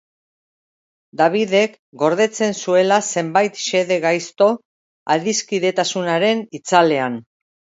Dabidek gordetzen zuela zenbait xede gaizto adiskidetasunaren itzalean.